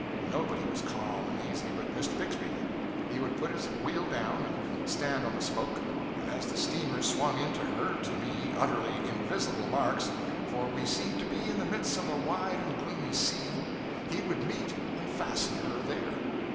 Nobody was calm and easy but Mr. Bixby. He would put his wheel down and stand on a spoke, and as the steamer swung into her (to me) utterly invisible marks for we seemed to be in the midst of a wide and gloomy sea he would meet and fasten her there.